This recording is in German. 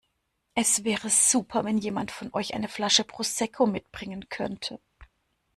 Es wäre super wenn jemand von euch eine Flasche Prosecco mitbringen könnte.